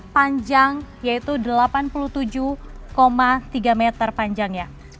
panjang yaitu delapan puluh tujuh tiga meter panjangnya